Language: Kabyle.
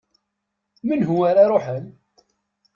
Menhu ara iruḥen?